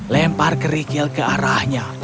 lempar kerikil ke arahnya